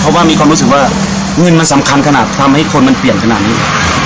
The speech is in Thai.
เพราะว่ามีความรู้สึกว่าเงินมันสำคัญขนาดทำให้คนมันเปลี่ยนขนาดนี้